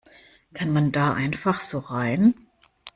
Kann man da einfach so rein?